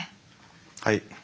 はい。